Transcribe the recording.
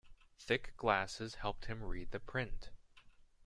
Thick glasses helped him read the print.